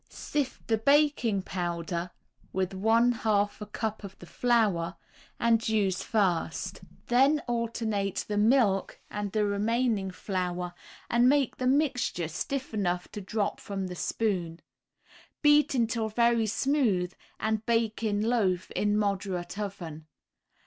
Sift the baking powder with one half a cup of the flour, and use first; then alternate the milk and the remaining flour, and make the mixture stiff enough to drop from the spoon. Beat until very smooth and bake in loaf in moderate oven.